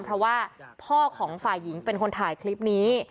เพราะว่าพ่อของฝ่ายหญิงเป็นคนถ่ายคลิปนี้